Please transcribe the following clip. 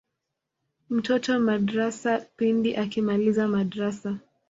mtoto madrasa pindi akimaliza madrasa